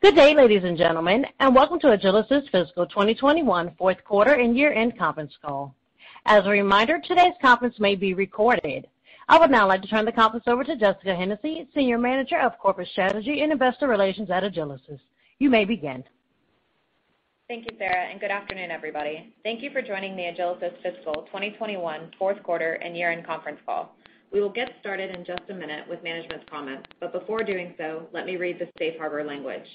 Good day, ladies and gentlemen, welcome to Agilysys fiscal 2021 Q4 and year-end conference call. As a reminder, today's conference may be recorded. I would now like to turn the conference over to Jessica Hennessy, Senior Manager of Corporate Strategy and Investor Relations at Agilysys. You may begin. Thank you, Sarah, and good afternoon, everybody. Thank you for joining me on Agilysys fiscal 2021 Q4 and year-end conference call. We will get started in just a minute with management comments before doing so, let me read the safe harbor language.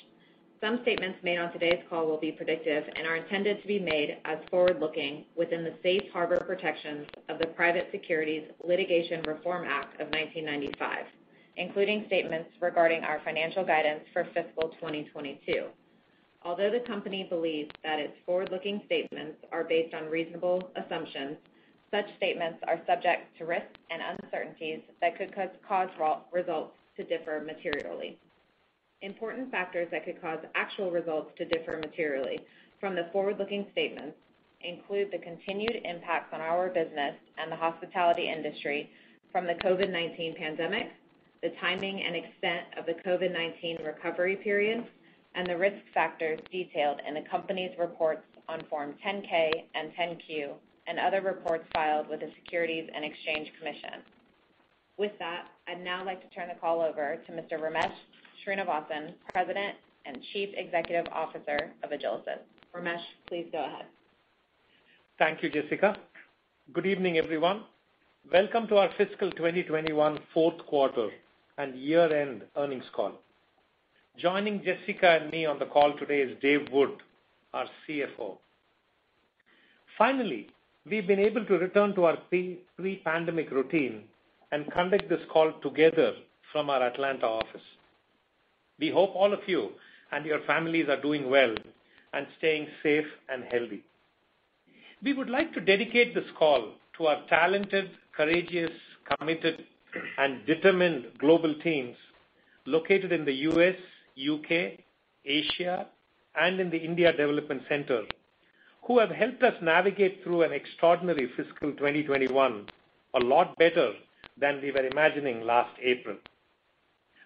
Some statements made on today's call will be predictive and are intended to be made as forward-looking within the safe harbor protections of the Private Securities Litigation Reform Act of 1995, including statements regarding our financial guidance for fiscal 2022. Although the company believes that its forward-looking statements are based on reasonable assumptions, such statements are subject to risks and uncertainties that could cause results to differ materially. Important factors that could cause actual results to differ materially from the forward-looking statements include the continued impact on our business and the hospitality industry from the COVID-19 pandemic, the timing and extent of the COVID-19 recovery period, and the risk factors detailed in the company's reports on Form 10-K and 10-Q and other reports filed with the Securities and Exchange Commission. With that, I'd now like to turn the call over to Mr. Ramesh Srinivasan, President and Chief Executive Officer of Agilysys. Ramesh, please go ahead. Thank you, Jessica. Good evening, everyone. Welcome to our fiscal 2021 Q4 and year-end earnings call. Joining Jessica and me on the call today is Dave Wood, our CFO. Finally, we've been able to return to our pre-pandemic routine and conduct this call together from our Atlanta office. We hope all of you and your families are doing well and staying safe and healthy. We would like to dedicate this call to our talented, courageous, committed, and determined global teams located in the U.S., U.K., Asia, and in the India Development Center, who have helped us navigate through an extraordinary fiscal 2021, a lot better than we were imagining last April.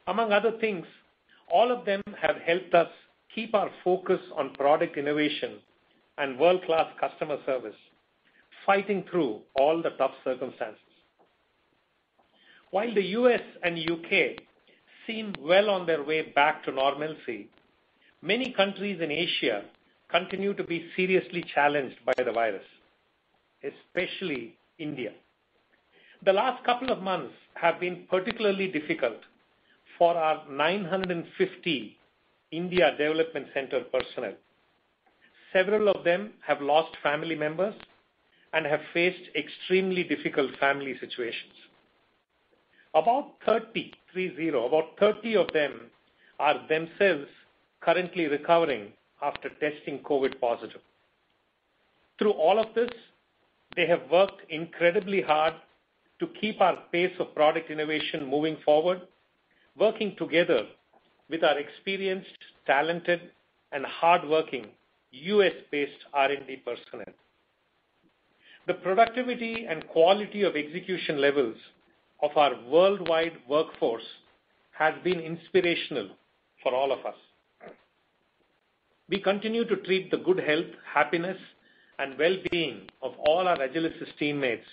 Among other things, all of them have helped us keep our focus on product innovation and world-class customer service, fighting through all the tough circumstances. While the U.S. and U.K. seem well on their way back to normalcy, many countries in Asia continue to be seriously challenged by the virus, especially India. The last couple of months have been particularly difficult for our 950 Agilysys India Development Center personnel. Several of them have lost family members and have faced extremely difficult family situations. About 30 of them are themselves currently recovering after testing COVID positive. Through all of this, they have worked incredibly hard to keep our pace of product innovation moving forward, working together with our experienced, talented, and hardworking U.S.-based R&D personnel. The productivity and quality of execution levels of our worldwide workforce has been inspirational for all of us. We continue to treat the good health, happiness, and well-being of all our Agilysys teammates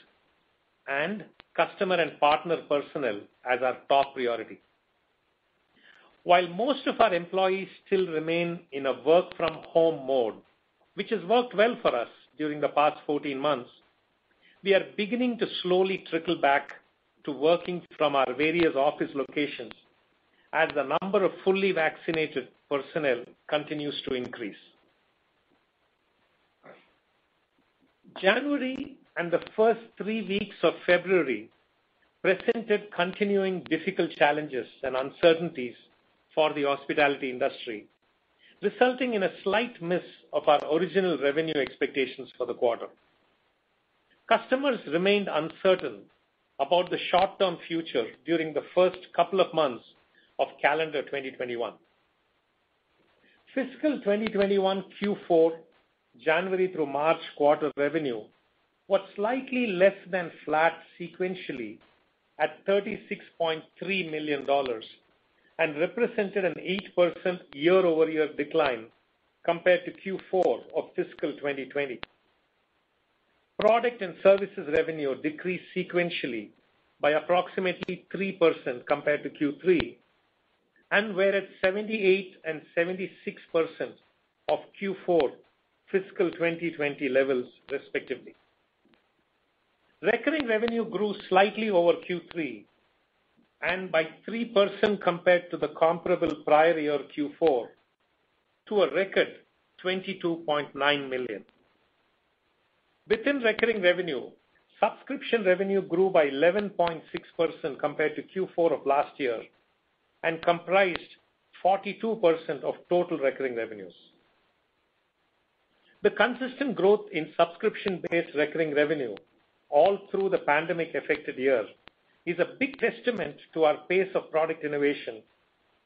and customer and partner personnel as our top priority. While most of our employees still remain in a work-from-home mode, which has worked well for us during the past 14 months, we are beginning to slowly trickle back to working from our various office locations as the number of fully vaccinated personnel continues to increase. January and the first three weeks of February presented continuing difficult challenges and uncertainties for the hospitality industry, resulting in a slight miss of our original revenue expectations for the quarter. Customers remained uncertain about the short-term future during the first couple of months of calendar 2021. Fiscal 2021 Q4, January through March quarter revenue, was slightly less than flat sequentially at $36.3 million and represented an 8% year-over-year decline compared to Q4 of fiscal 2020. Product and services revenue decreased sequentially by approximately 3% compared to Q3 and were at 78% and 76% of Q4 fiscal 2020 levels, respectively. Recurring revenue grew slightly over Q3 and by 3% compared to the comparable prior year Q4, to a record $22.9 million. Within recurring revenue, subscription revenue grew by 11.6% compared to Q4 of last year and comprised 42% of total recurring revenues. The consistent growth in subscription-based recurring revenue all through the pandemic-affected year is a big testament to our pace of product innovation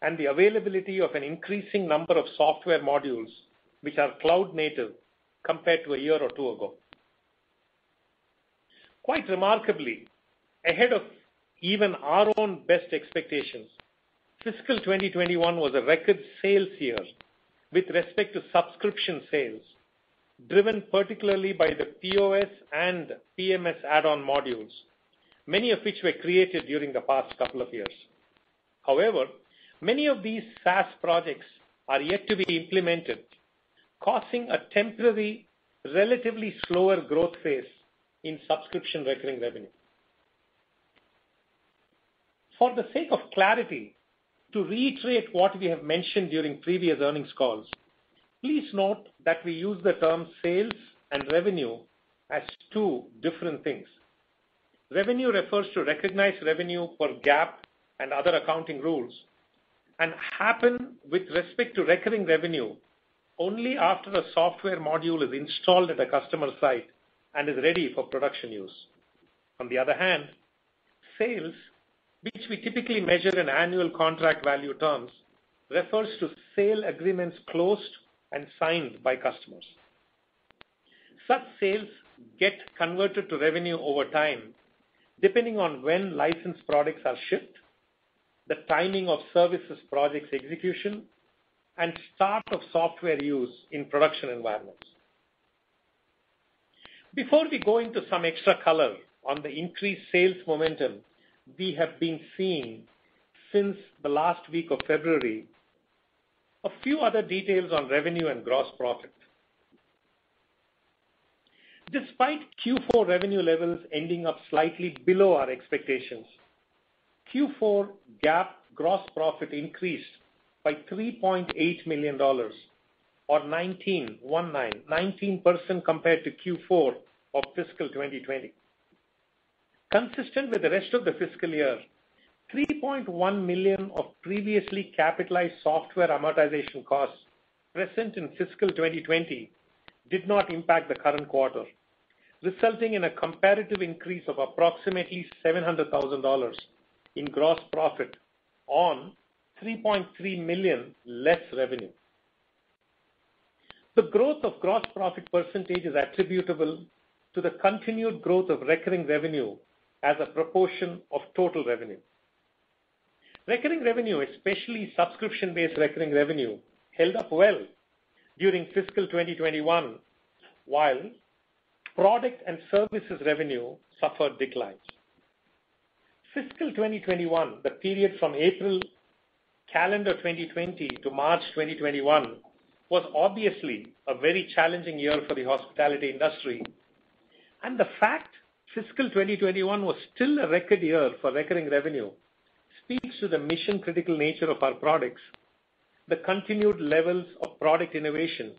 and the availability of an increasing number of software modules, which are Cloud-native compared to a year or two ago. Quite remarkably, ahead of even our own best expectations, fiscal 2021 was a record sales year with respect to subscription sales, driven particularly by the POS and PMS add-on modules, many of which were created during the past couple of years. However, many of these SaaS projects are yet to be implemented, causing a temporary, relatively slower growth phase in subscription recurring revenue. For the sake of clarity, to reiterate what we have mentioned during previous earnings calls, please note that we use the term sales and revenue as two different things. Revenue refers to recognized revenue per GAAP and other accounting rules, and happen with respect to recurring revenue only after the software module is installed at a customer site and is ready for production use. On the other hand, sales, which we typically measure in annual contract value terms, refers to sale agreements closed and signed by customers. Such sales get converted to revenue over time, depending on when licensed products are shipped, the timing of services projects execution, and start of software use in production environments. Before we go into some extra color on the increased sales momentum we have been seeing since the last week of February, a few other details on revenue and gross profit. Despite Q4 revenue levels ending up slightly below our expectations, Q4 GAAP gross profit increased by $3.8 million, or 19% compared to Q4 of fiscal 2020. Consistent with the rest of the fiscal year, $3.1 million of previously capitalized software amortization costs present in fiscal 2020 did not impact the current quarter, resulting in a comparative increase of approximately $700,000 in gross profit on $3.3 million less revenue. The growth of gross profit percent is attributable to the continued growth of recurring revenue as a proportion of total revenue. Recurring revenue, especially subscription-based recurring revenue, held up well during fiscal 2021, while product and services revenue suffered declines. Fiscal 2021, the period from April calendar 2020 to March 2021, was obviously a very challenging year for the hospitality industry, and the fact fiscal 2021 was still a record year for recurring revenue speaks to the mission-critical nature of our products, the continued levels of product innovation,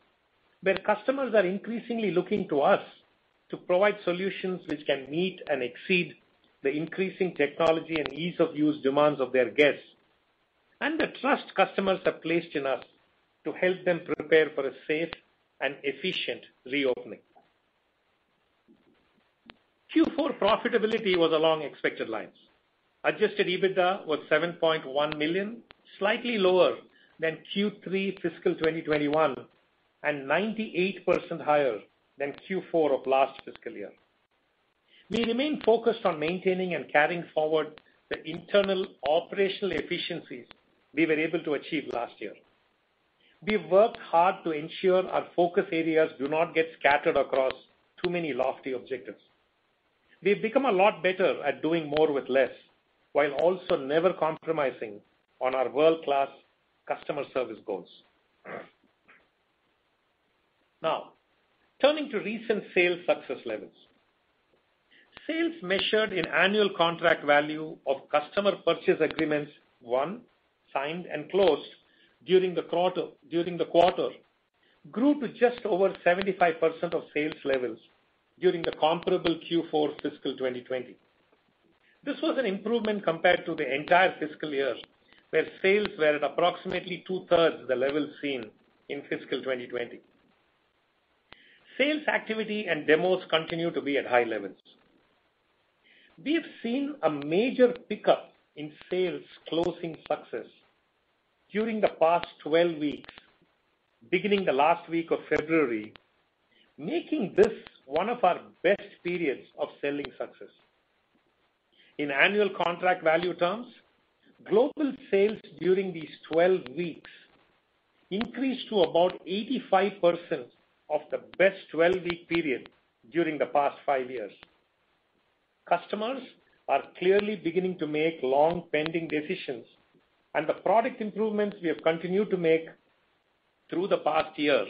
where customers are increasingly looking to us to provide solutions which can meet and exceed the increasing technology and ease-of-use demands of their guests, and the trust customers have placed in us to help them prepare for a safe and efficient reopening. Q4 profitability was along expected lines. Adjusted EBITDA was $7.1 million, slightly lower than Q3 fiscal 2021, and 98% higher than Q4 of last fiscal year. We remain focused on maintaining and carrying forward the internal operational efficiencies we were able to achieve last year. We've worked hard to ensure our focus areas do not get scattered across too many lofty objectives. We've become a lot better at doing more with less, while also never compromising on our world-class customer service goals. Now, turning to recent sales success levels. Sales measured in annual contract value of customer purchase agreements won, signed, and closed during the quarter, grew to just over 75% of sales levels during the comparable Q4 fiscal 2020. This was an improvement compared to the entire fiscal year, where sales were at approximately 2/3 the level seen in fiscal 2020. Sales activity and demos continue to be at high levels. We have seen a major pickup in sales closing success during the past 12 weeks, beginning the last week of February, making this one of our best periods of selling success. In annual contract value terms, global sales during these 12 weeks increased to about 85% of the best 12-week period during the past five years. Customers are clearly beginning to make long-pending decisions, and the product improvements we have continued to make through the past year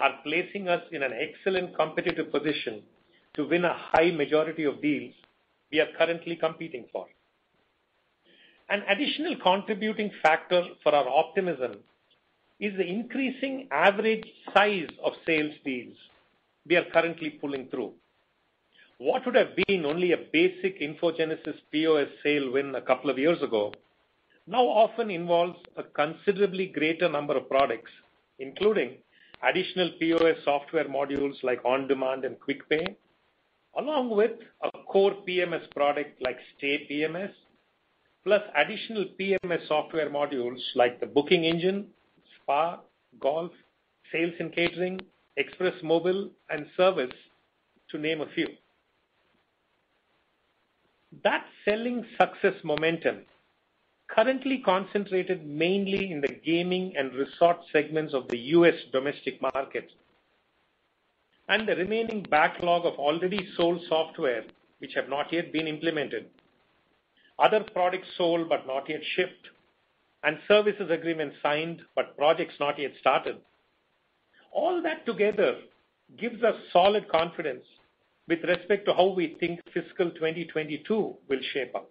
are placing us in an excellent competitive position to win a high majority of deals we are currently competing for. An additional contributing factor for our optimism is the increasing average size of sales deals we are currently pulling through. What would have been only a basic InfoGenesis POS sale win a couple of years ago now often involves a considerably greater number of products, including additional POS software modules like IG OnDemand and IG Quick Pay, along with a core PMS product like Stay PMS, plus additional PMS software modules like the booking engine, spa, golf, Agilysys Sales & Catering, Agilysys Express Mobile, and service, to name a few. That selling success momentum, currently concentrated mainly in the gaming and resort segments of the U.S. domestic market, and the remaining backlog of already sold software which have not yet been implemented, other products sold but not yet shipped, and services agreements signed but projects not yet started. All that together gives us solid confidence with respect to how we think FY 2022 will shape up.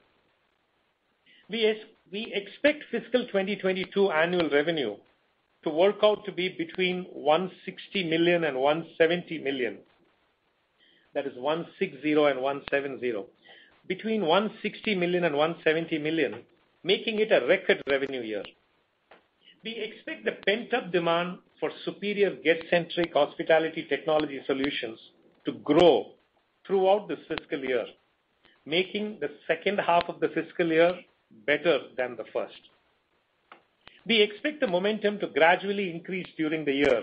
We expect FY 2022 annual revenue to work out to be between $160 million and $170 million. That is $160 million and $170 million. Between $160 million and $170 million, making it a record revenue year. We expect the pent-up demand for superior guest-centric hospitality technology solutions to grow throughout the fiscal year, making the second half of the fiscal year better than the first. We expect the momentum to gradually increase during the year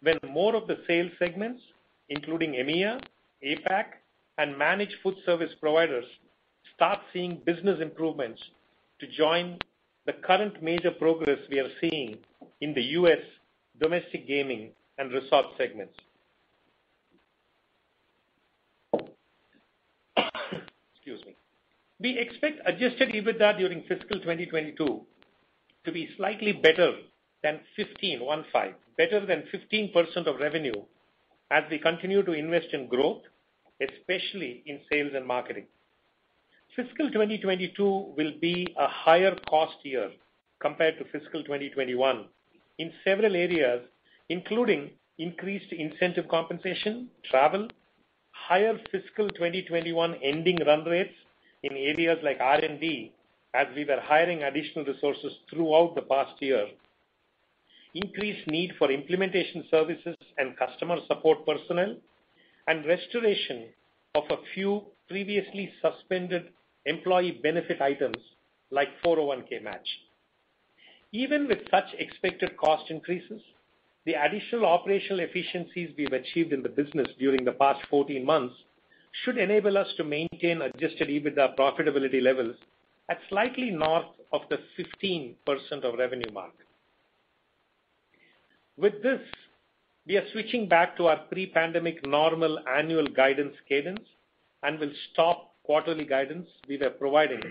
when more of the sales segments, including EMEA, APAC, and managed food service providers, start seeing business improvements to join the current major progress we are seeing in the U.S. domestic gaming and resort segments. Excuse me. We expect Adjusted EBITDA during fiscal 2022 to be slightly better than 15, one five, better than 15% of revenue as we continue to invest in growth, especially in sales and marketing. Fiscal 2022 will be a higher cost year compared to fiscal 2021 in several areas, including increased incentive compensation, travel, higher fiscal 2021 ending run rates in areas like R&D, as we were hiring additional resources throughout the past year. Increased need for implementation services and customer support personnel, and restoration of a few previously suspended employee benefit items like 401(k) match. Even with such expected cost increases, the additional operational efficiencies we've achieved in the business during the past 14 months should enable us to maintain Adjusted EBITDA profitability levels at slightly north of the 15% of revenue mark. With this, we are switching back to our pre-pandemic normal annual guidance cadence and will stop quarterly guidance we were providing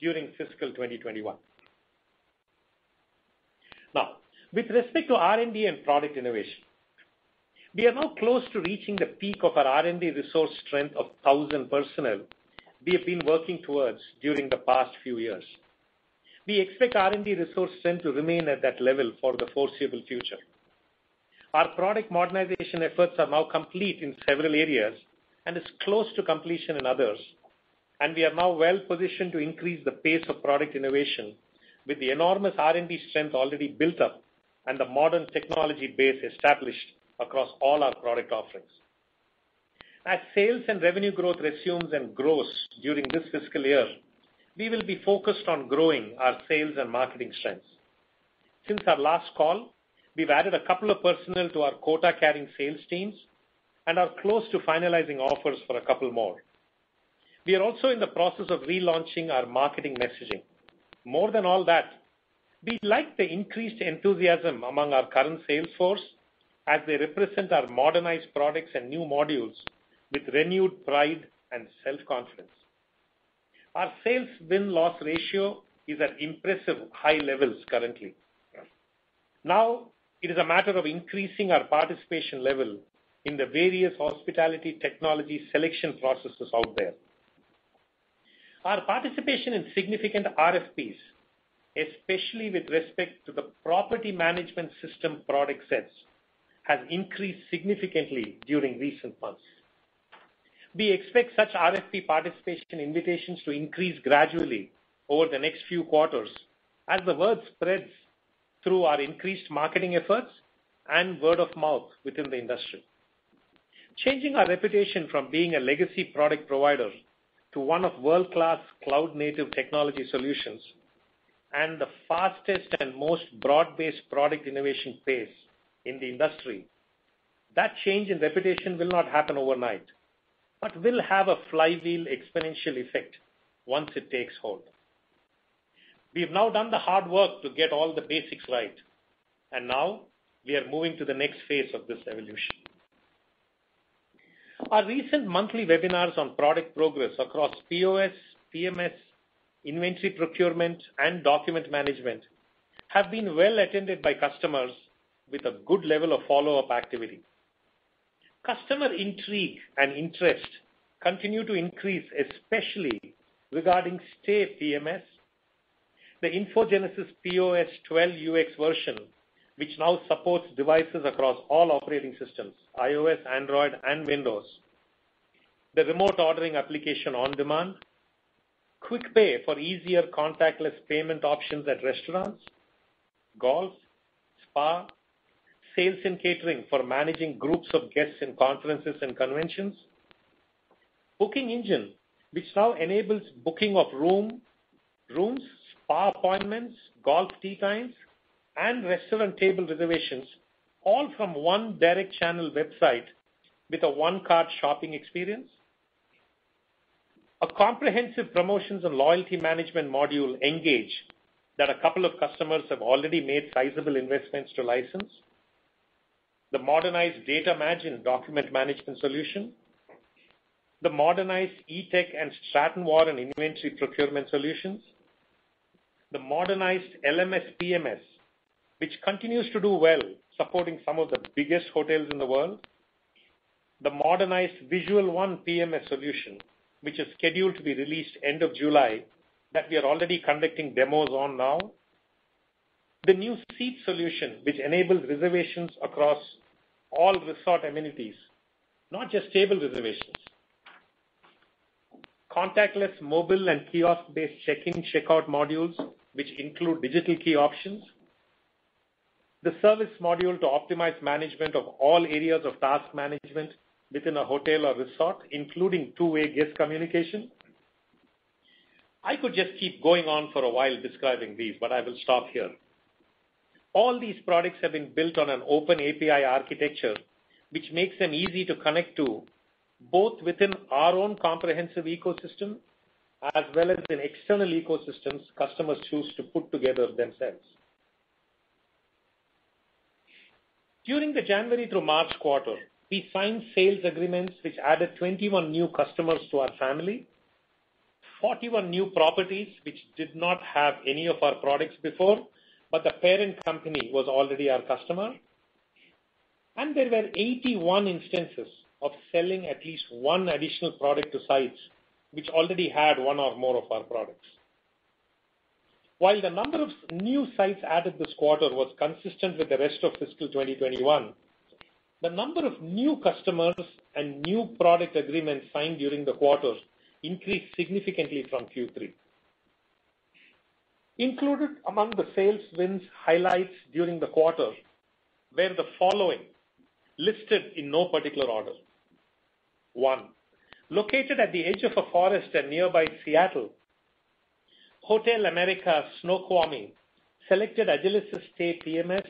during fiscal 2021. Now, with respect to R&D and product innovation, we are now close to reaching the peak of our R&D resource strength of 1,000 personnel we have been working towards during the past few years. We expect R&D resource strength to remain at that level for the foreseeable future. Our product modernization efforts are now complete in several areas and is close to completion in others, and we are now well-positioned to increase the pace of product innovation with the enormous R&D strength already built up and a modern technology base established across all our product offerings. As sales and revenue growth resumes and grows during this fiscal year, we will be focused on growing our sales and marketing strengths. Since our last call, we've added a couple of personnel to our quota-carrying sales teams and are close to finalizing offers for a couple more. We are also in the process of relaunching our marketing messaging. More than all that, we like the increased enthusiasm among our current sales force as they represent our modernized products and new modules with renewed pride and self-confidence. Our sales win-loss ratio is at impressive high levels currently. Now it is a matter of increasing our participation level in the various hospitality technology selection processes out there. Our participation in significant RFPs, especially with respect to the property management system product sets, has increased significantly during recent months. We expect such RFP participation invitations to increase gradually over the next few quarters as the word spreads through our increased marketing efforts and word of mouth within the industry. Changing our reputation from being a legacy product provider to one of world-class Cloud-native technology solutions and the fastest and most broad-based product innovation pace in the industry. That change in reputation will not happen overnight but will have a flywheel exponential effect once it takes hold. We've now done the hard work to get all the basics right, and now we are moving to the next phase of this evolution. Our recent monthly webinars on product progress across POS, PMS, inventory procurement, and document management have been well-attended by customers with a good level of follow-up activity. Customer intrigue and interest continue to increase, especially regarding Stay PMS, the InfoGenesis POS 12UX version, which now supports devices across all operating systems, iOS, Android, and Windows. The remote ordering application, OnDemand. Quick Pay for easier contactless payment options at restaurants, golf, spa, Sales & Catering for managing groups of guests in conferences and conventions. Booking engine, which now enables booking of rooms, spa appointments, golf tee times, and restaurant table reservations, all from one direct channel website with a one-cart shopping experience. A comprehensive promotions and loyalty management module, Engage, that a couple of customers have already made sizable investments to license. The modernized data management document management solution. The modernized Eatec and Stratton Warren and inventory procurement solutions. The modernized LMS/PMS, which continues to do well, supporting some of the biggest hotels in the world. The modernized Visual One PMS solution, which is scheduled to be released end of July, that we are already conducting demos on now. The new rGuest Seat solution, which enables reservations across all resort amenities, not just table reservations. Contactless mobile and kiosk-based check-in, check-out modules, which include digital key options. The service module to optimize management of all areas of task management within a hotel or resort, including two-way guest communication. I could just keep going on for a while describing these, but I will stop here. All these products have been built on an open API architecture, which makes them easy to connect to, both within our own comprehensive ecosystem as well as in external ecosystems customers choose to put together themselves. During the January to March quarter, we signed sales agreements which added 21 new customers to our family, 41 new properties which did not have any of our products before, but the parent company was already our customer, and there were 81 instances of selling at least one additional product to sites which already had one or more of our products. While the number of new sites added this quarter was consistent with the rest of fiscal 2021, the number of new customers and new product agreements signed during the quarter increased significantly from Q3. Included among the sales wins highlights during the quarter were the following, listed in no particular order. One, located at the edge of a forest near nearby Seattle, Hotel America Snoqualmie selected Agilysys Stay PMS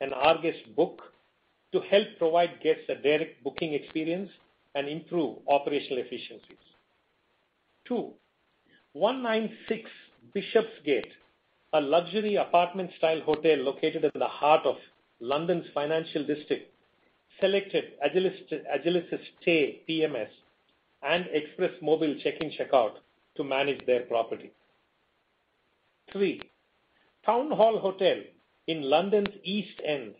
and Agilysys Book to help provide guests a direct booking experience and improve operational efficiencies. Two, 196 Bishopsgate, a luxury apartment-style hotel located in the heart of London's financial district, selected Agilysys Stay PMS and Express Mobile check-in check-out to manage their property. Three, Town Hall Hotel in London's East End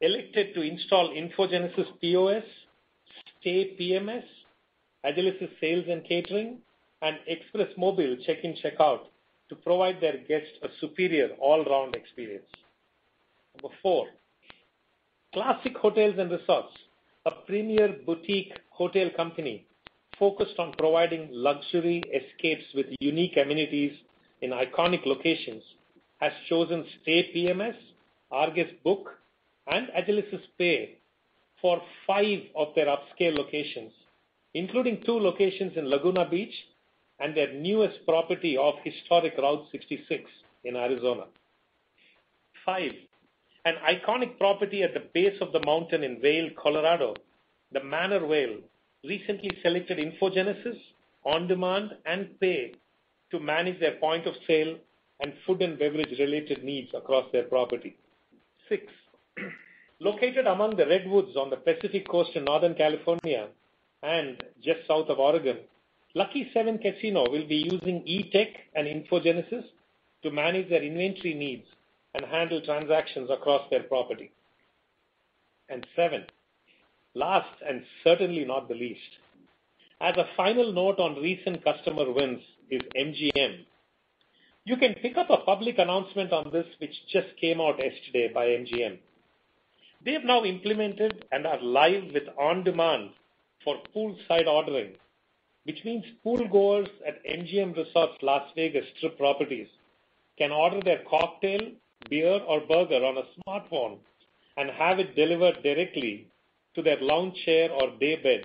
elected to install InfoGenesis POS, Stay PMS, Agilysys Sales & Catering, and Express Mobile check-in check-out to provide their guests a superior all-around experience. Number four, Classic Hotels & Resorts, a premier boutique hotel company focused on providing luxury escapes with unique amenities in iconic locations, has chosen Stay PMS, Agilysys Book, and Agilysys Pay for five of their upscale locations, including two locations in Laguna Beach and their newest property off Historic Route 66 in Arizona. Five, an iconic property at the base of the mountain in Vail, Colorado, Manor Vail Lodge, recently selected InfoGenesis, OnDemand, and Pay to manage their Point-of-Sale and food and beverage-related needs across their property. Six, located among the redwoods on the Pacific Coast in Northern California and just south of Oregon, Lucky 7 Casino will be using Eatec and InfoGenesis to manage their inventory needs and handle transactions across their property. Seven, last and certainly not the least, as a final note on recent customer wins is MGM. You can pick up a public announcement on this, which just came out yesterday by MGM. They've now implemented and are live with IG OnDemand for poolside ordering, which means pool-goers at MGM Resorts Las Vegas Strip properties can order their cocktail, beer, or burger on a smartphone and have it delivered directly to their lounge chair or daybed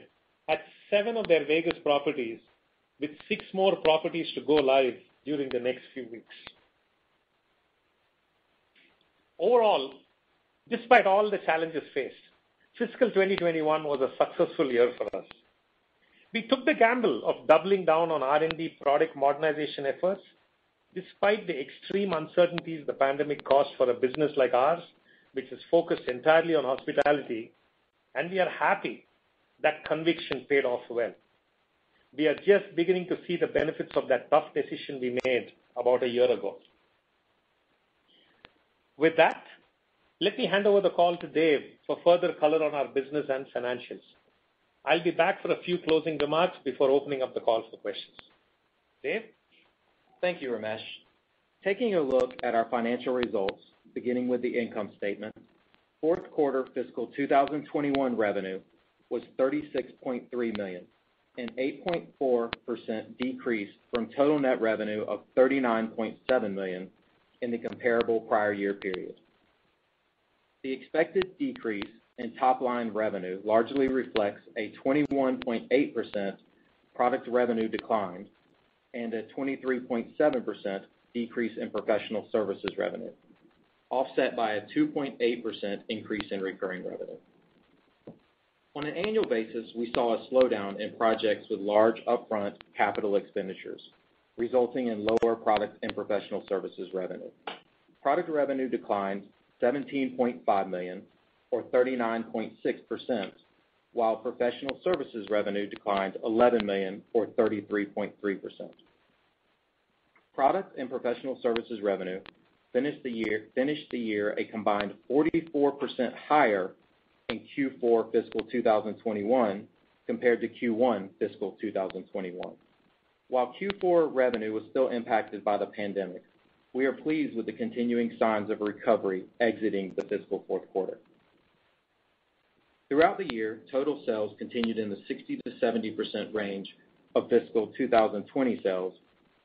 at seven of their Vegas properties, with six more properties to go live during the next few weeks. Overall, despite all the challenges faced, fiscal 2021 was a successful year for us. We took the gamble of doubling down on R&D product modernization efforts despite the extreme uncertainties the pandemic caused for a business like ours, which is focused entirely on hospitality. We are happy that conviction paid off well. We are just beginning to see the benefits of that tough decision we made about a year ago. With that, let me hand over the call to Dave for further color on our business and financials. I'll be back for a few closing remarks before opening up the call for questions. Dave? Thank you, Ramesh. Taking a look at our financial results, beginning with the income statement. Q4 fiscal 2021 revenue was $36.3 million, an 8.4% decrease from total net revenue of $39.7 million in the comparable prior year period. The expected decrease in top-line revenue largely reflects a 21.8% product revenue decline and a 23.7% decrease in professional services revenue, offset by a 2.8% increase in recurring revenue. On an annual basis, we saw a slowdown in projects with large upfront capital expenditures, resulting in lower product and professional services revenue. Product revenue declined $17.5 million or 39.6%, while professional services revenue declined $11 million or 33.3%. Product and professional services revenue finished the year a combined 44% higher in Q4 fiscal 2021 compared to Q1 fiscal 2021. While Q4 revenue was still impacted by the pandemic, we are pleased with the continuing signs of recovery exiting the fiscal Q4. Throughout the year, total sales continued in the 60%-70% range of fiscal 2020 sales,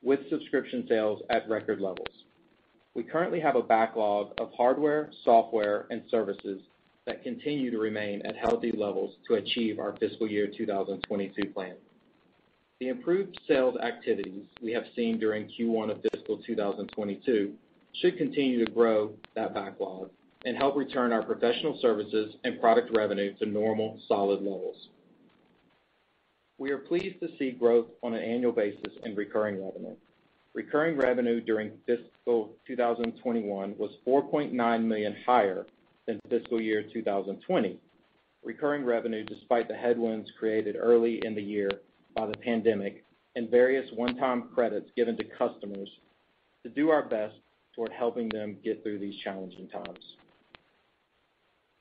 with subscription sales at record levels. We currently have a backlog of hardware, software, and services that continue to remain at healthy levels to achieve our fiscal year 2022 plan. The improved sales activities we have seen during Q1 of fiscal 2022 should continue to grow that backlog and help return our professional services and product revenue to normal, solid levels. We are pleased to see growth on an annual basis in recurring revenue. Recurring revenue during fiscal 2021 was $4.9 million higher than fiscal year 2020, despite the headwinds created early in the year by the pandemic and various one-time credits given to customers to do our best toward helping them get through these challenging times.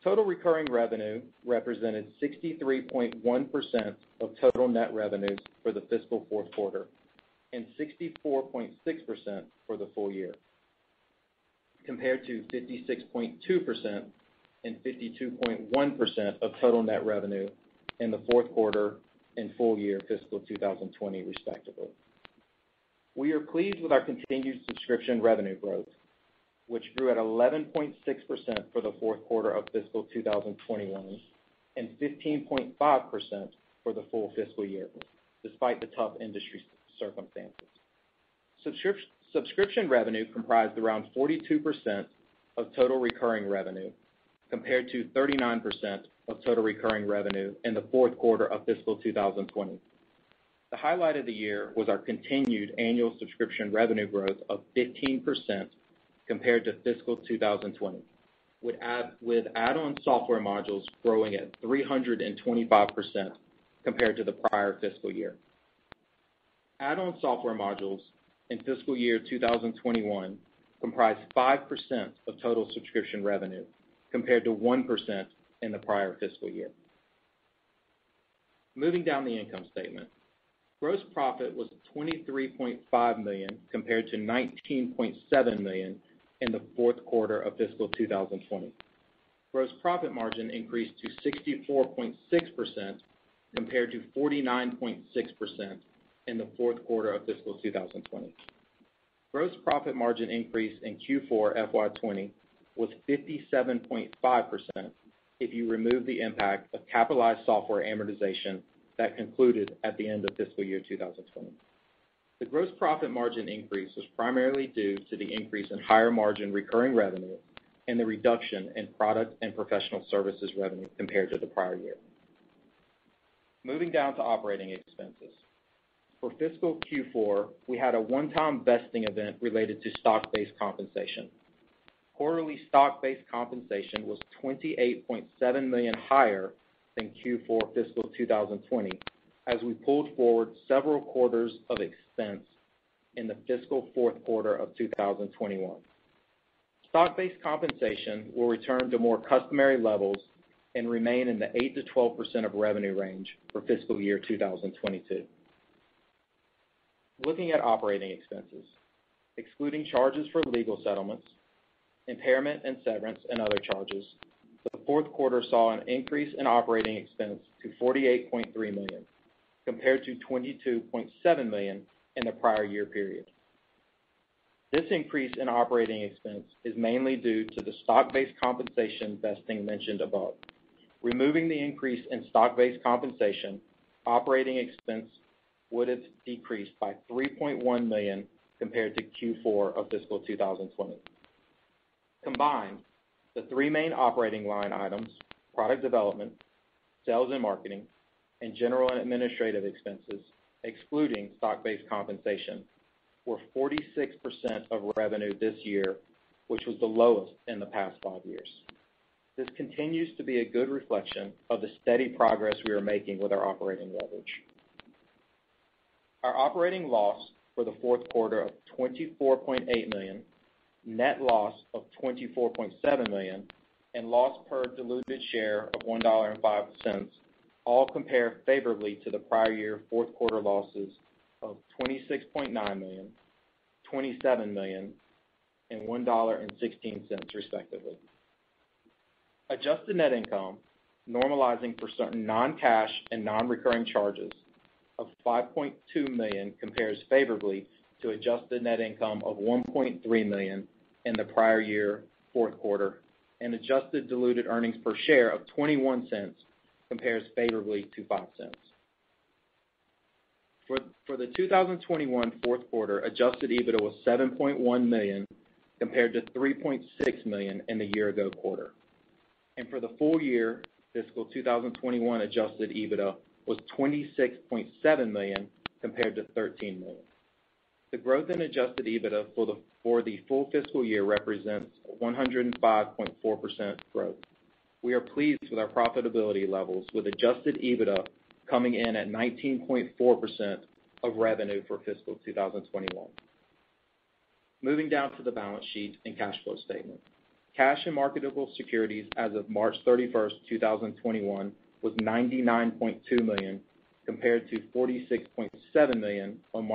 Total recurring revenue represented 63.1% of total net revenues for the fiscal Q4 and 64.6% for the full year, compared to 56.2% and 52.1% of total net revenue in the Q4 and full year fiscal 2020, respectively. We are pleased with our continued subscription revenue growth, which grew at 11.6% for the Q4 of fiscal 2021 and 15.5% for the full fiscal year, despite the tough industry circumstances. Subscription revenue comprised around 42% of total recurring revenue, compared to 39% of total recurring revenue in the Q4 of fiscal 2020. The highlight of the year was our continued annual subscription revenue growth of 15% compared to fiscal 2020, with add-on software modules growing at 325% compared to the prior fiscal year. Add-on software modules in fiscal year 2021 comprised 5% of total subscription revenue, compared to 1% in the prior fiscal year. Moving down the income statement. Gross profit was $23.5 million, compared to $19.7 million in the Q4 of fiscal 2020. Gross profit margin increased to 64.6%, compared to 49.6% in the Q4 of fiscal 2020. Gross profit margin increase in Q4 FY 2020 was 57.5% if you remove the impact of capitalized software amortization that concluded at the end of fiscal year 2020. The gross profit margin increase was primarily due to the increase in higher margin recurring revenue and the reduction in product and professional services revenue compared to the prior year. Moving down to operating expenses. For fiscal Q4, we had a one-time vesting event related to stock-based compensation. Quarterly stock-based compensation was $28.7 million higher than Q4 fiscal 2020 as we pulled forward several quarters of expense in the fiscal Q4 of 2021. Stock-based compensation will return to more customary levels and remain in the 8%-12% of revenue range for fiscal year 2022. Looking at operating expenses. Excluding charges for legal settlements, impairment and severance and other charges, the Q4 saw an increase in operating expense to $48.3 million, compared to $22.7 million in the prior year period. This increase in operating expense is mainly due to the stock-based compensation vesting mentioned above. Removing the increase in stock-based compensation, operating expense would have decreased by $3.1 million compared to Q4 of fiscal 2020. Combined, the three main operating line items, product development, sales and marketing, and general and administrative expenses, excluding stock-based compensation, were 46% of revenue this year, which was the lowest in the past five years. This continues to be a good reflection of the steady progress we are making with our operating leverage. Our operating loss for the Q4 of $24.8 million, net loss of $24.7 million, and loss per diluted share of $1.05 all compare favorably to the prior year Q4 losses of $26.9 million, $27 million and $1.16 respectively. Adjusted net income normalizing for certain non-cash and non-recurring charges of $5.2 million compares favorably to adjusted net income of $1.3 million in the prior year Q4, and adjusted diluted earnings per share of $0.21 compares favorably to $0.05. For the 2021 Q4, Adjusted EBITDA was $7.1 million compared to $3.6 million in the year ago quarter, And for the full year, fiscal 2021 Adjusted EBITDA was $26.7 million compared to $13 million. The growth in Adjusted EBITDA for the full fiscal year represents 105.4% growth. We are pleased with our profitability levels with Adjusted EBITDA coming in at 19.4% of revenue for fiscal 2021. Moving down to the balance sheet and Free Cash Flow statement. Cash and marketable securities as of 31 March 2021, was $99.2 million, compared to $46.7 million on 31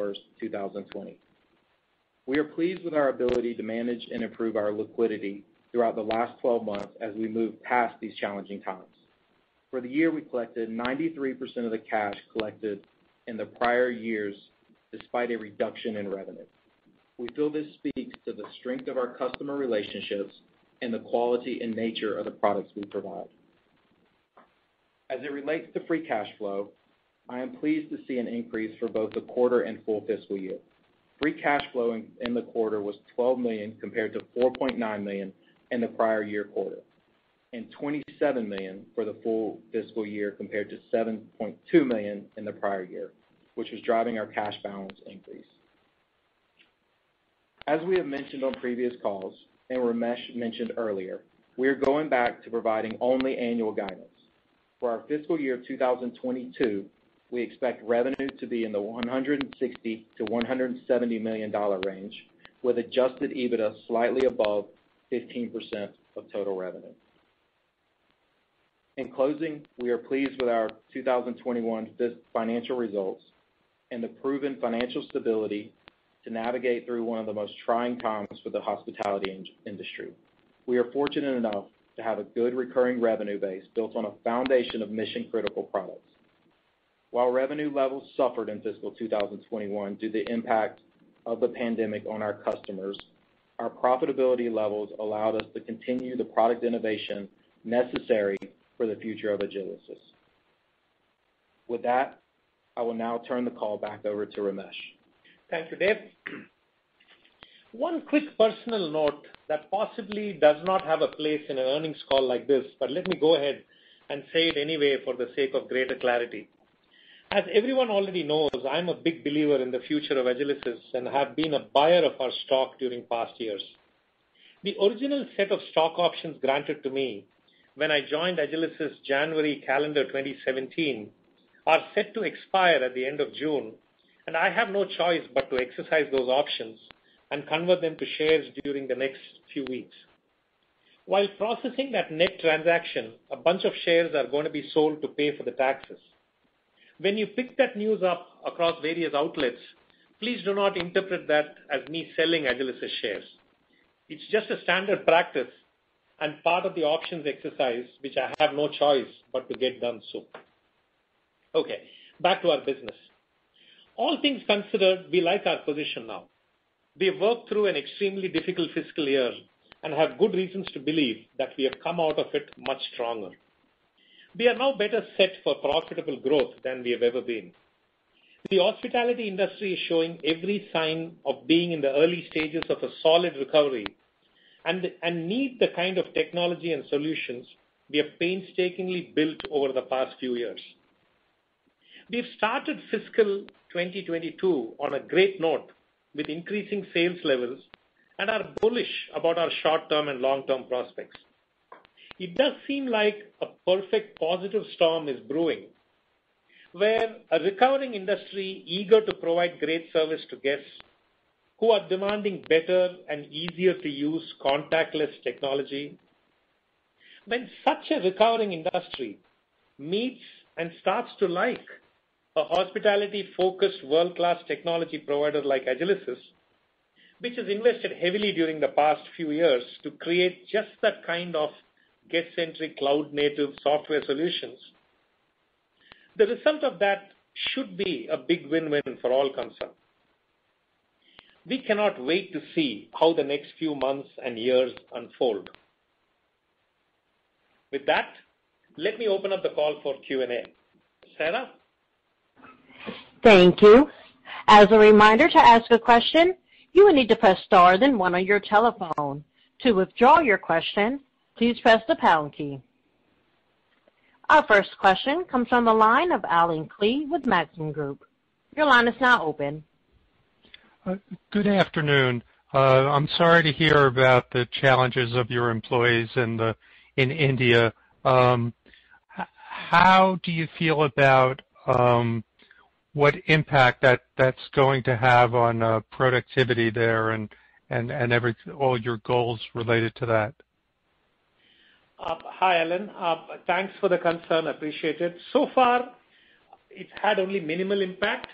March 2020. We are pleased with our ability to manage and improve our liquidity throughout the last 12 months as we move past these challenging times. For the year, we collected 93% of the cash collected in the prior years, despite a reduction in revenue. We feel this speaks to the strength of our customer relationships and the quality and nature of the products we provide. As it relates to Free Cash Flow, I am pleased to see an increase for both the quarter and full fiscal year. Free Cash Flow in the quarter was $12 million compared to $4.9 million in the prior year quarter, and $27 million for the full fiscal year compared to $7.2 million in the prior year, which is driving our cash balance increase. As we have mentioned on previous calls, and Ramesh mentioned earlier, we are going back to providing only annual guidance. For our fiscal year 2022, we expect revenue to be in the $160 million-$170 million range, with Adjusted EBITDA slightly above 15% of total revenue. In closing, we are pleased with our 2021 financial results and the proven financial stability to navigate through one of the most trying times for the hospitality industry. We are fortunate enough to have a good recurring revenue base built on a foundation of mission-critical products. While revenue levels suffered in fiscal 2021 due to the impact of the pandemic on our customers, our profitability levels allowed us to continue the product innovation necessary for the future of Agilysys. With that, I will now turn the call back over to Ramesh. Thank you, Dave. One quick personal note that possibly does not have a place in an earnings call like this, let me go ahead and say it anyway for the sake of greater clarity. As everyone already knows, I'm a big believer in the future of Agilysys and have been a buyer of our stock during past years. The original set of stock options granted to me when I joined Agilysys January calendar 2017, are set to expire at the end of June, I have no choice but to exercise those options and convert them to shares during the next few weeks. While processing that net transaction, a bunch of shares are going to be sold to pay for the taxes. When you pick that news up across various outlets, please do not interpret that as me selling Agilysys shares. It's just a standard practice and part of the options exercise, which I have no choice but to get done soon. Okay, back to our business. All things considered, we like our position now. We have worked through an extremely difficult fiscal year and have good reasons to believe that we have come out of it much stronger. We are now better set for profitable growth than we have ever been. The hospitality industry is showing every sign of being in the early stages of a solid recovery and need the kind of technology and solutions we have painstakingly built over the past few years. We've started fiscal 2022 on a great note with increasing sales levels and are bullish about our short-term and long-term prospects. It does seem like a perfect positive storm is brewing, where a recovering industry eager to provide great service to guests who are demanding better and easier-to-use contactless technology. When such a recovering industry meets and starts to like a hospitality-focused world-class technology provider like Agilysys, which has invested heavily during the past few years to create just that kind of guest-centric Cloud-native software solutions, the result of that should be a big win-win for all concerned. We cannot wait to see how the next few months and years unfold. With that, let me open up the call for Q&A. Sarah? Thank you. As a reminder, to ask a question, you will need to press star, then one on your telephone. To withdraw your question, please press the pound key. Our first question comes on the line of Allen Klee with Maxim Group. Your line is now open. Good afternoon. I'm sorry to hear about the challenges of your employees in India. How do you feel about what impact that's going to have on productivity there and all your goals related to that? Hi, Allen. Thanks for the concern, appreciate it so far, it's had only minimal impact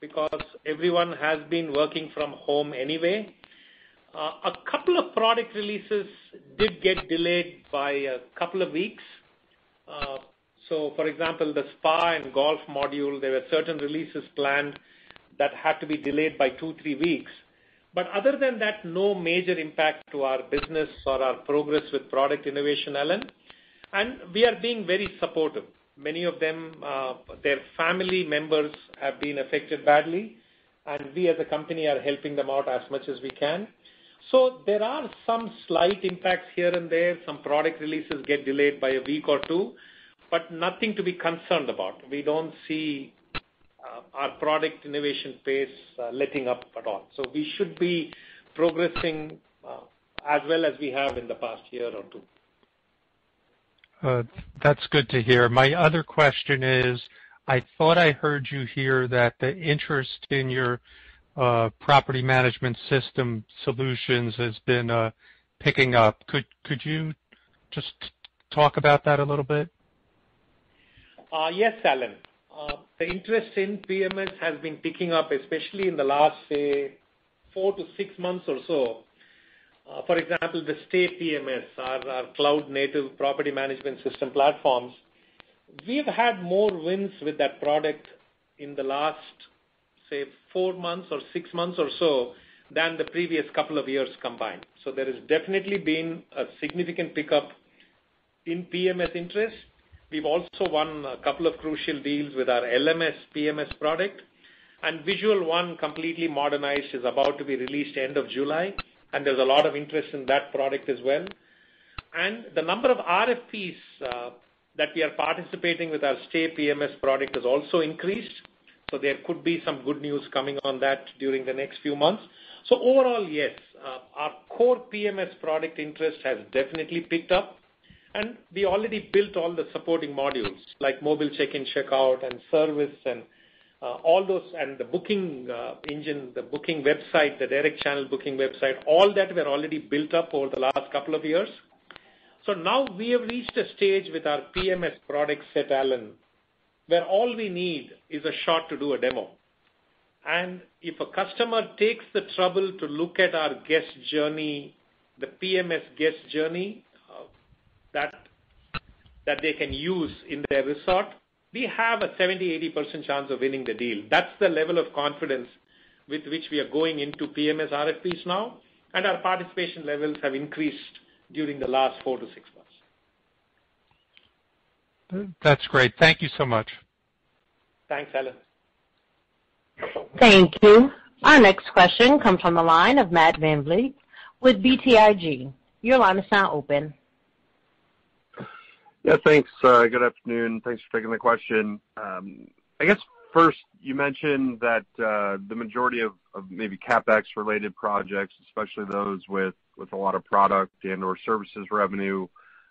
because everyone has been working from home anyway. A couple of product releases did get delayed by a couple of weeks. For example, the spa and golf module, there were certain releases planned that had to be delayed by two, three weeks. Other than that, no major impact to our business or our progress with product innovation, Allen. We are being very supportive. Many of them, their family members have been affected badly, and we as a company are helping them out as much as we can. There are some slight impacts here and there some product releases get delayed by a week or two, but nothing to be concerned about we don't see our product innovation pace letting up at all so we should be progressing, as well as we have in the past year or two. That's good to hear my other question is, I thought I heard you here that the interest in your property management system solutions has been picking up could you just talk about that a little bit? Yes, Allen. The interest in PMS has been picking up, especially in the last, say, four to six months or so. For example, the Stay PMS, our Cloud-native property management system platforms, we've had more wins with that product in the last, say, four months or six months or so than the previous couple of years combined. We've also won a couple of crucial deals with our LMS PMS product, and Visual One completely modernized is about to be released end of July, and there's a lot of interest in that product as well. The number of RFPs, that we are participating with our Stay PMS product has also increased, so there could be some good news coming on that during the next few months. Overall, yes, our core PMS product interest has definitely picked up, and we already built all the supporting modules, like mobile check-in, check-out, and service and all those, and the booking engine, the booking website, the direct channel booking website, all that were already built up over the last couple of years. Now we have reached a stage with our PMS product set, Allen, where all we need is a shot to do a demo. If a customer takes the trouble to look at our guest journey, the PMS guest journey, that they can use in their resort, we have a 70%-80% chance of winning the deal that's the level of confidence with which we are going into PMS RFPs now. Our participation levels have increased during the last four to six months. That's great. Thank you so much. Thanks, Allen. Thank you. Our next question comes from the line of Matthew VanVliet with BTIG. Your line is now open. Yeah, thanks. Good afternoon thanks for taking the question. I guess first, you mentioned that the majority of maybe CapEx-related projects, especially those with a lot of product and/or services revenue,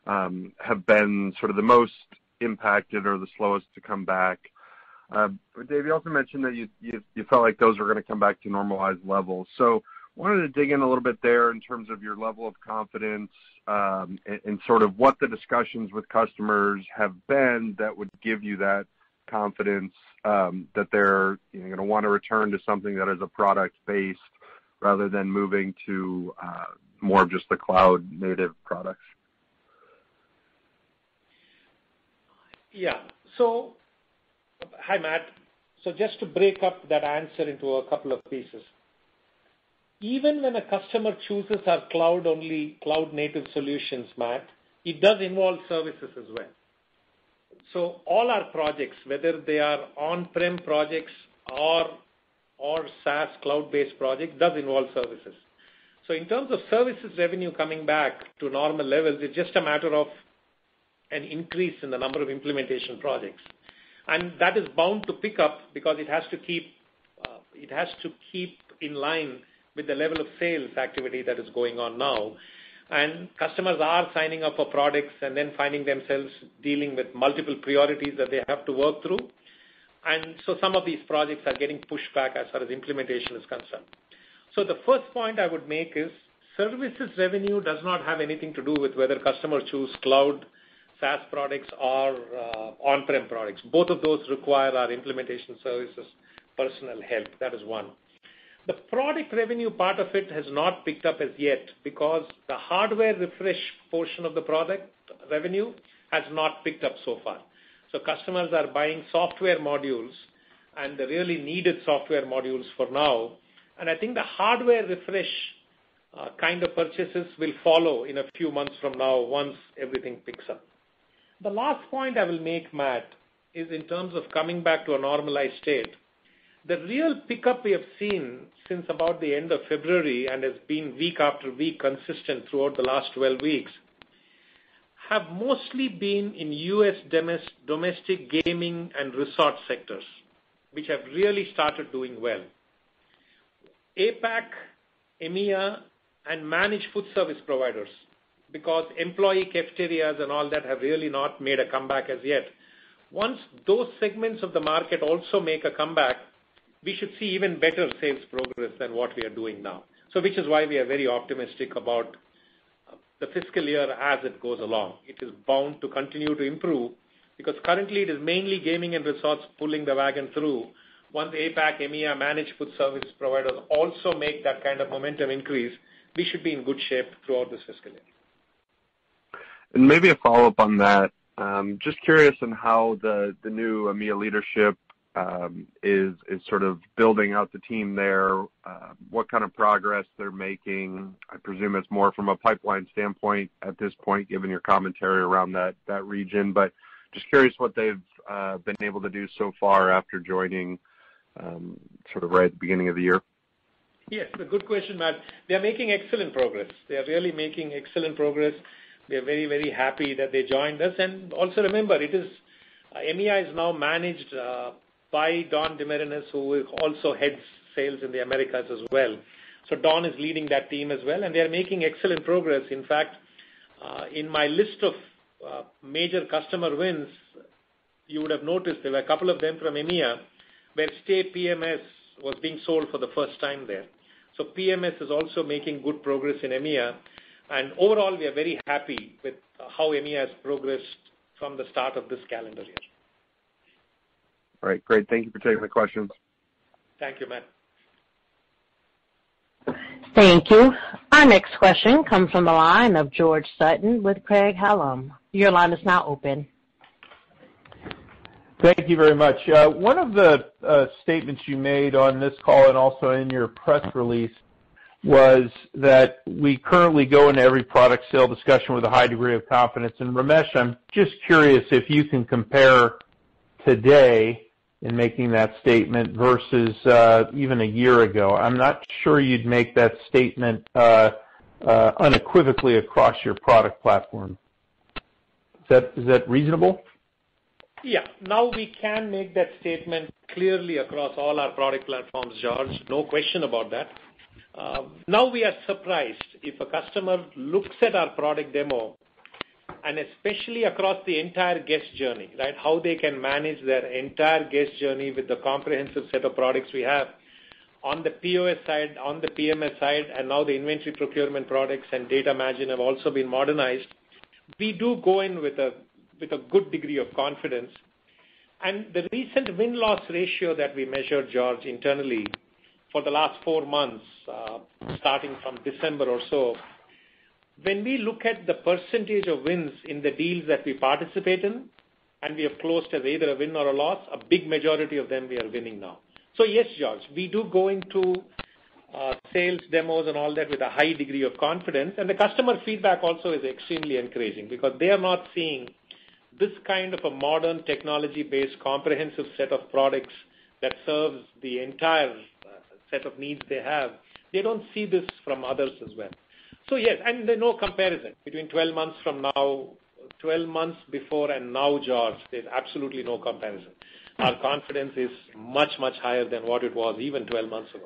have been sort of the most impacted or the slowest to come back. Dave, you also mentioned that you felt like those were going to come back to normalized levels so, wanted to dig in a little bit there in terms of your level of confidence, and sort of what the discussions with customers have been that would give you that confidence, that they're going to want to return to something that is a product-based rather than moving to more of just the Cloud-native products. Yeah. Hi, Matt. Just to break up that answer into a couple of pieces. Even when a customer chooses our Cloud-only, Cloud-native solutions, Matt, it does involve services as well. All our projects, whether they are on-prem projects or SaaS Cloud-based project, does involve services. In terms of services revenue coming back to normal levels, it's just a matter of an increase in the number of implementation projects. That is bound to pick up because it has to keep in line with the level of sales activity that is going on now. Customers are signing up for products and then finding themselves dealing with multiple priorities that they have to work through. Some of these projects are getting pushed back as far as implementation is concerned. The first point I would make is, services revenue does not have anything to do with whether customers choose Cloud, SaaS products or on-prem products both of those require our implementation services personal help that is one. The product revenue part of it has not picked up as yet because the hardware refresh portion of the product revenue has not picked up so far. Customers are buying software modules and the really needed software modules for now, and I think the hardware refresh kind of purchases will follow in a few months from now once everything picks up. The last point I will make, Matt, is in terms of coming back to a normalized state. The real pickup we have seen since about the end of February and has been week after week consistent throughout the last 12 weeks, have mostly been in U.S. domestic gaming and resort sectors, which have really started doing well. APAC, EMEA, and managed food service providers, because employee cafeterias and all that have really not made a comeback as yet. Once those segments of the market also make a comeback, we should see even better sales progress than what we are doing now. Which is why we are very optimistic about the fiscal year as it goes along it is bound to continue to improve because currently it is mainly gaming and resorts pulling the wagon through. Once APAC, EMEA, managed food services providers also make that kind of momentum increase, we should be in good shape throughout this fiscal year. Maybe a follow-up on that. Just curious on how the new EMEA leadership is sort of building out the team there, what kind of progress they're making. I presume it's more from a pipeline standpoint at this point, given your commentary around that region, but just curious what they've been able to do so far after joining, sort of right at the beginning of the year. Yes, a good question, Matt. They're making excellent progress. They're really making excellent progress. We are very happy that they joined us also remember, EMEA is now managed by Don DeMarinis, who also heads sales in the Americas as well. Don is leading that team as well, and they're making excellent progress in fact, in my list of major customer wins, you would have noticed there were a couple of them from EMEA, where Stay PMS was being sold for the first time there. PMS is also making good progress in EMEA. And overall, we are very happy with how EMEA has progressed from the start of this calendar year. All right. Great. Thank you for taking the questions. Thank you, Matt. Thank you. Our next question comes from the line of George Sutton with Craig-Hallum. Your line is now open. Thank you very much, one of the statements you made on this call and also in your press release was that we currently go into every product sale discussion with a high degree of confidence and Ramesh, I'm just curious if you can compare today in making that statement versus even a year ago i'm not sure you'd make that statement unequivocally across your product platform. Is that reasonable? Yeah. Now we can make that statement clearly across all our product platforms, George no question about that. Now we are surprised if a customer looks at our product demo, and especially across the entire guest journey, right? How they can manage their entire guest journey with the comprehensive set of products we have. On the POS side, on the PMS side, and now the inventory procurement products and DataMagine have also been modernized. We do go in with a good degree of confidence. The recent win-loss ratio that we measured, George, internally for the last four months, starting from December or so, when we look at the percentage of wins in the deals that we participate in, and we have closed as either a win or a loss, a big majority of them we are winning now. Yes, George, we do go into sales demos and all that with a high degree of confidence the customer feedback also is extremely encouraging because they are not seeing this kind of a modern technology-based comprehensive set of products that serves the entire set of needs they have. They don't see this from others as well. Yes, there's no comparison between 12 months before and now, George there's absolutely no comparison. Our confidence is much, much higher than what it was even 12 months ago.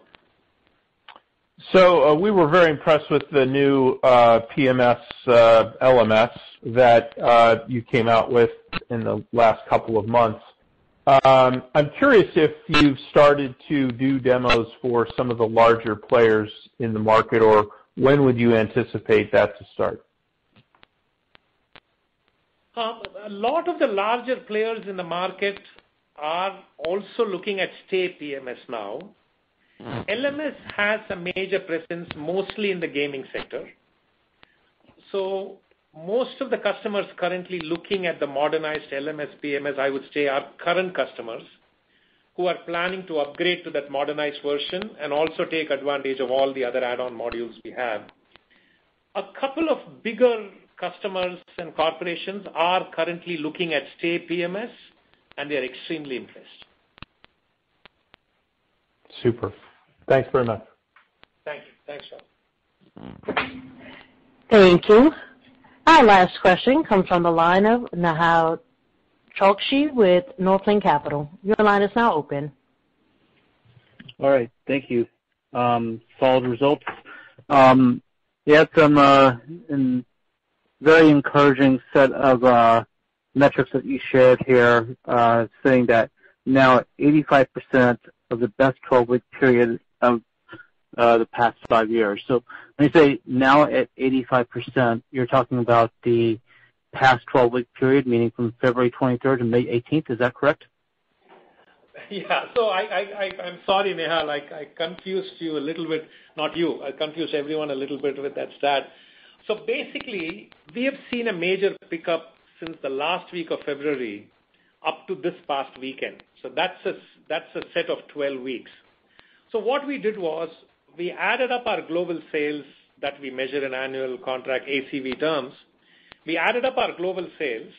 We were very impressed with the new PMS, LMS that you came out with in the last couple of months. I'm curious if you've started to do demos for some of the larger players in the market? or when would you anticipate that to start? A lot of the larger players in the market are also looking at Stay PMS now. LMS has a major presence mostly in the gaming sector. Most of the customers currently looking at the modernized LMS, PMS, I would say, are current customers. Who are planning to upgrade to that modernized version and also take advantage of all the other add-on modules we have. A couple of bigger customers and corporations are currently looking at Stay PMS, and they're extremely impressed. Super. Thanks very much. Thank you. Thanks, George. Thank you. Our last question comes from the line of Nehal Chokshi with Northland Capital. Your line is now open. All right. Thank you. Solid results. You had some very encouraging set of metrics that you shared here, saying that now at 85% of the best 12-week period of the past five years so when you say now at 85%, you're talking about the past 12-week period, meaning from 23 February to 18 May is that correct? Yeah. I'm sorry, Nehal, I confused you a little bit. Not you i confused everyone a little bit with that stat. Basically, we have seen a major pickup since the last week of February up to this past weekend, that's a set of 12 weeks. What we did was we added up our global sales that we measure in annual contract ACV terms, we added up our global sales.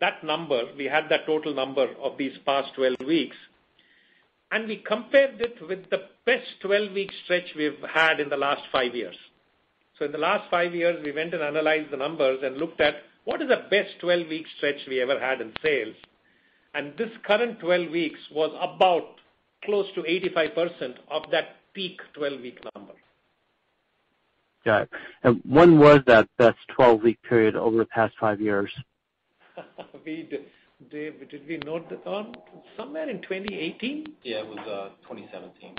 That number, we had that total number of these past 12 weeks, and we compared it with the best 12-week stretch we've had in the last five years. In the last five years, we went and analyzed the numbers and looked at what is the best 12-week stretch we ever had in sales, and this current 12 weeks was about close to 85% of that peak 12-week number. Got it. When was that best 12-week period over the past five years? It should be note down somewhere in 2018. Yeah, it was 2017. Yeah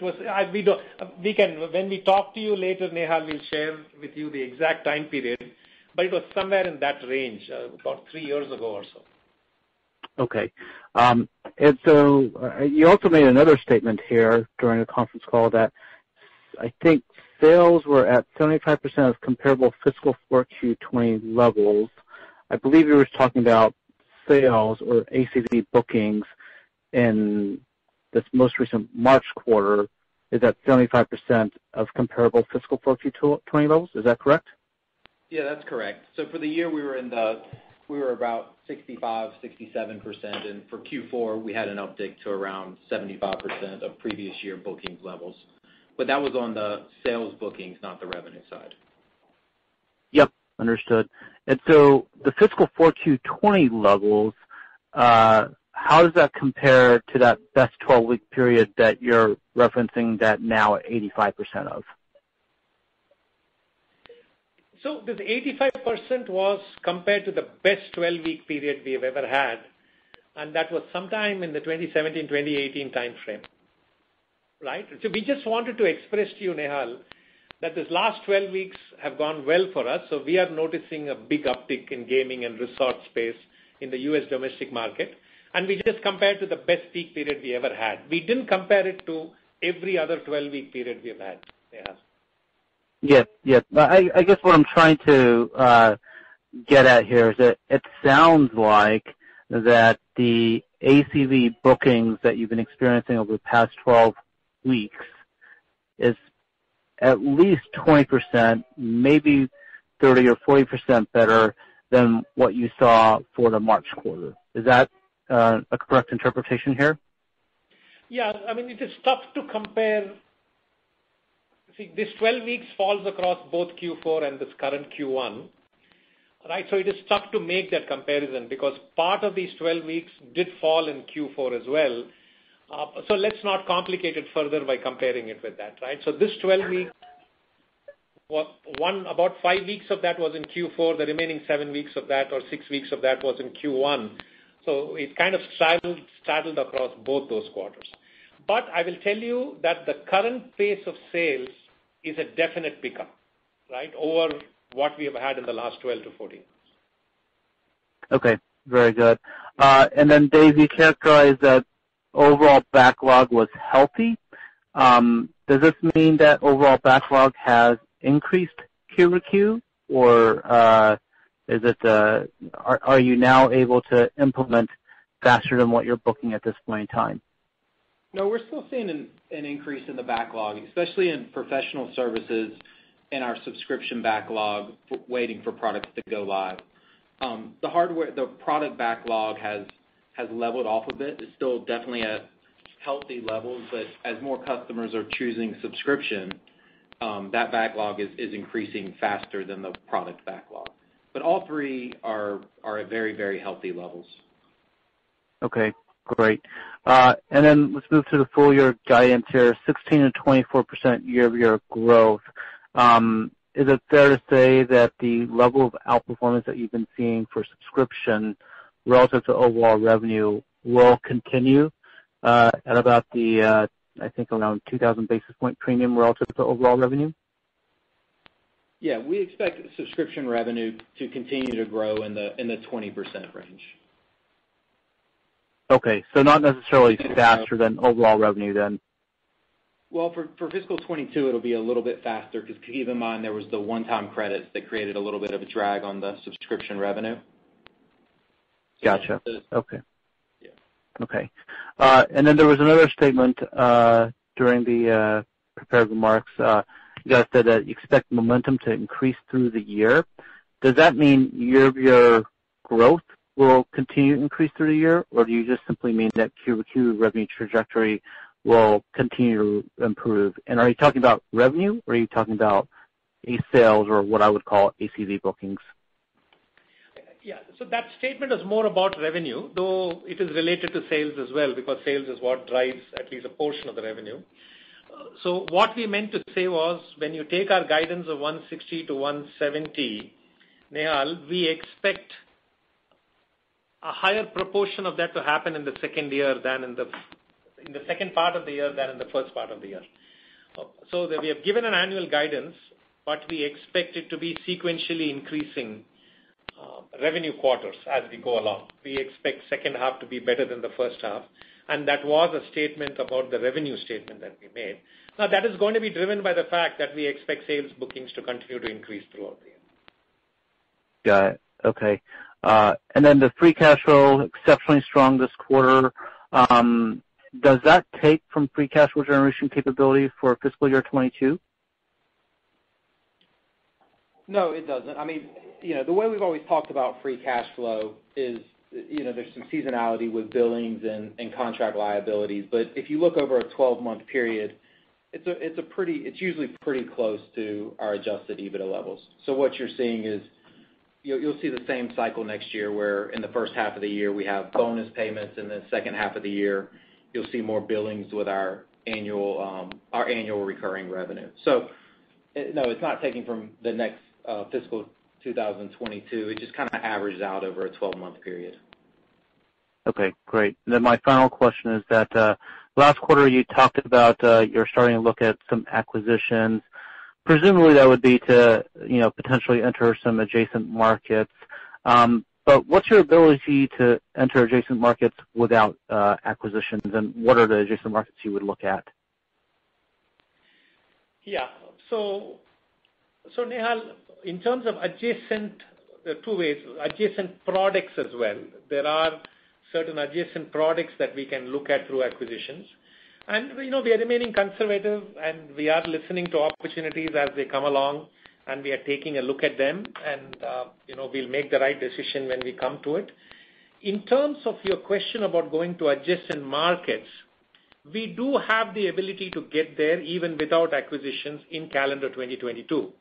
when we talk to you later, Nehal, we'll share with you the exact time period, but it was somewhere in that range, about three years ago or so. Okay. You also made another statement here during the conference call that I think sales were at 75% of comparable fiscal Q4 2020 levels. I believe you were talking about sales or ACV bookings in this most recent March quarter is at 75% of comparable fiscal Q4 2020 levels. Is that correct? Yeah, that's correct. For the year, we were about 65%-67%, for Q4, we had an update to around 75% of previous year bookings levels. That was on the sales bookings, not the revenue side. Yep, understood. The fiscal 4Q 2020 levels, how does that compare to that best 12-week period that you're referencing that now 85% of? The 85% was compared to the best 12-week period we've ever had, and that was sometime in the 2017, 2018 timeframe. Right? we just wanted to express to you, Nehal, that these last 12 weeks have gone well for us, so we are noticing a big uptick in gaming and resort space in the U.S. domestic market. We just compared to the best peak period we ever had we didn't compare it to every other 12-week period we've had, Nehal. Yes. I guess what I'm trying to get at here is that it sounds like that the ACV bookings that you've been experiencing over the past 12 weeks is at least 20%, maybe 30% or 40% better than what you saw for the March quarter is that a correct interpretation here? It is tough to compare. This 12 weeks falls across both Q4 and this current Q1. Right it is tough to make that comparison because part of these 12 weeks did fall in Q4 as well. Let's not complicate it further by comparing it with that, right so this 12 week, about five weeks of that was in Q4 the remaining seven weeks of that or six weeks of that was in Q1. It kind of straddled across both those quarters. I will tell you that the current pace of sales is a definite pickup, right, over what we've had in the last 12 to 14 weeks. Okay. Very good. Dave, you characterized that overall backlog was healthy? does this mean that overall backlog has increased quarter-over-quarter? Or are you now able to implement faster than what you're booking at this point in time? No, we're still seeing an increase in the backlog, especially in professional services in our subscription backlog, waiting for products to go live. The product backlog has leveled off a bit it's still definitely at healthy levels, but as more customers are choosing subscription, that backlog is increasing faster than the product backlog. All three are at very, very healthy levels. Okay, great. Let's move to the full year guidance here, 16%-24% year-over-year growth. Is it fair to say that the level of outperformance that you've been seeing for subscription relative to overall revenue will continue at about the, I think, around 2,000 basis point premium relative to overall revenue? Yeah, we expect subscription revenue to continue to grow in the 20% range. Okay. Not necessarily faster than overall revenue then? Well, for FY 2022, it'll be a little bit faster because keep in mind there was the one-time credit that created a little bit of a drag on the subscription revenue. Got you. Okay. Yeah. Okay there was another statement during the prepared remarks. You guys said that you expect momentum to increase through the year? Does that mean year-over-year growth will continue to increase through the year? Do you just simply mean that quarter-over-quarter revenue trajectory will continue to improve? Are you talking about revenue or are you talking about sales or what I would call ACV bookings? Yeah. That statement is more about revenue, though it is related to sales as well, because sales is what drives at least a portion of the revenue. What we meant to say was when you take our guidance of $160-$170, Nehal, we expect a higher proportion of that to happen in the second part of the year than in the first part of the year. That we have given an annual guidance, but we expect it to be sequentially increasing revenue quarters as we go along we expect second half to be better than the first half. That was a statement about the revenue statement that we made. Now, that is going to be driven by the fact that we expect sales bookings to continue to increase throughout the year. Got it. Okay. The Free Cash Flow exceptionally strong this quarter. Does that take from Free Cash Flow generation capabilities for fiscal year 2022? No, it doesn't i mean, the way we've always talked about Free Cash Flow is there's some seasonality with billings and contract liabilities but if you look over a 12-month period, it's usually pretty close to our Adjusted EBITDA levels so what you're seeing is, you'll see the same cycle next year, where in the first half of the year we have bonus payments, and the second half of the year you'll see more billings with our annual recurring revenue. No, it's not taken from the next fiscal 2022 its just kind of averages out over a 12-month period. Okay, great. My final question is that last quarter you talked about you're starting to look at some acquisitions. Presumably, that would be to potentially enter some adjacent markets. What's your ability to enter adjacent markets without acquisitions, and what are the adjacent markets you would look at? Nehal, in terms of adjacent, there are two ways. Adjacent products as well there are certain adjacent products that we can look at through acquisitions. We are remaining conservative, and we are listening to opportunities as they come along, and we are taking a look at them and we'll make the right decision when we come to it. In terms of your question about going to adjacent markets, we do have the ability to get there even without acquisitions in calendar 2022.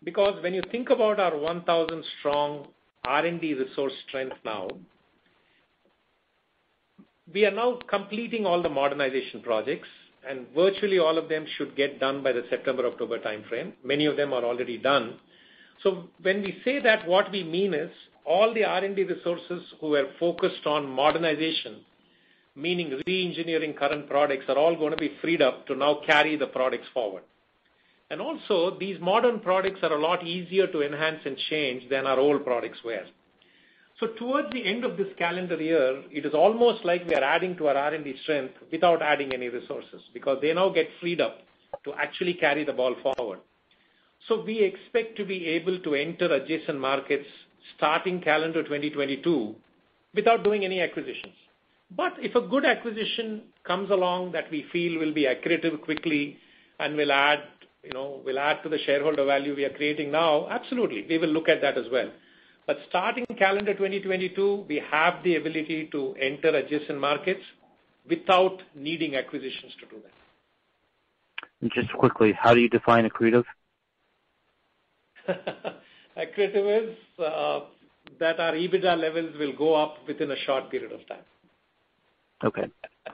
When you think about our 1,000-strong R&D resource strength now, we are now completing all the modernization projects, and virtually all of them should get done by the September-October timeframe many of them are already done. When we say that, what we mean is all the R&D resources who were focused on modernization, meaning re-engineering current products, are all going to be freed up to now carry the products forward. Also, these modern products are a lot easier to enhance and change than our old products were. Towards the end of this calendar year, it is almost like we are adding to our R&D strength without adding any resources because they now get freedom to actually carry the ball forward. We expect to be able to enter adjacent markets starting calendar 2022 without doing any acquisitions. If a good acquisition comes along that we feel will be accretive quickly and will add to the shareholder value we are creating now, absolutely, we will look at that as well. Starting calendar 2022, we have the ability to enter adjacent markets without needing acquisitions to do that. Just quickly, how do you define accretive? Accretive is that our EBITDA levels will go up within a short period of time. Okay.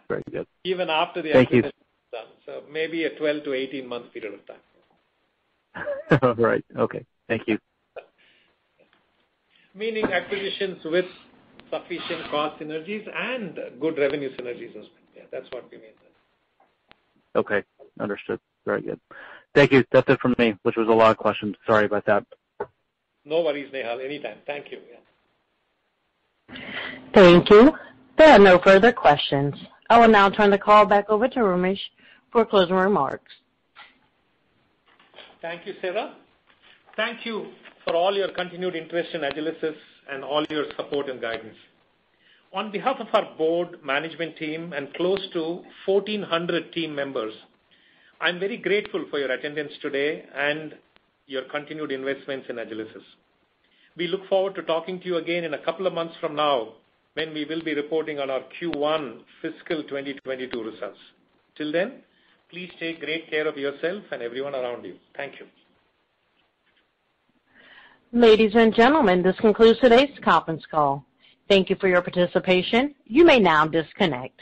Very good. Even after the acquisition is done. Thank you. Maybe a 12-18 month period of time. All right. Okay. Thank you. Meaning acquisitions with sufficient cost synergies and good revenue synergies as well. Yeah, that's what we mean there. Okay, understood. Very good. Thank you. That's it from me, which was a lot of questions sorry about that. No worries, Nehal anytime. Thank you. Thank you. There are no further questions. I will now turn the call back over to Ramesh for closing remarks. Thank you, Sarah. Thank you for all your continued interest in Agilysys and all your support and guidance. On behalf of our board, management team, and close to 1,400 team members, I'm very grateful for your attendance today and your continued investments in Agilysys. We look forward to talking to you again in a couple of months from now when we will be reporting on our Q1 fiscal 2022 results. Till then, please take great care of yourself and everyone around you. Thank you. Ladies and gentlemen, this concludes today's conference call. Thank you for your participation. You may now disconnect.